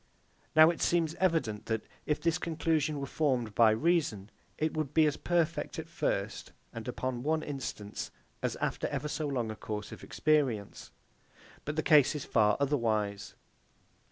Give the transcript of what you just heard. Now it seems evident that, if this conclusion were formed by reason, it would be as perfect at first, and upon one instance, as after ever so long a course of experience. But the case is far otherwise.